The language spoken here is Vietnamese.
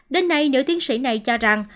đến nay nữ tiến sĩ này cho rằng